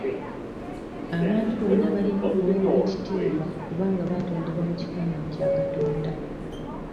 Abantu bonna balina okuweebwa ekitiibwa kubanga baatondebwa mu kifaananyi kya Katonda.